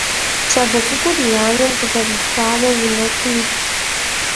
ЩӀалэ цӀыкӀур и анэм къызэрилъхуауэ унэкум итт.